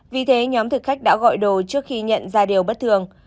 vì thế nhóm thực khách đã gọi đồ trước khi nhận ra điều bất thường